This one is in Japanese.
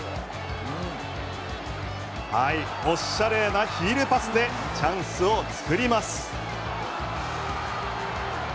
おしゃれなヒールパスでチャンスを作ります。